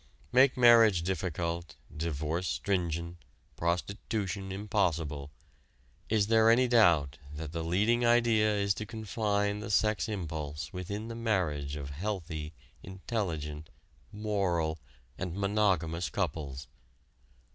Make marriage difficult, divorce stringent, prostitution impossible is there any doubt that the leading idea is to confine the sex impulse within the marriage of healthy, intelligent, "moral," and monogamous couples?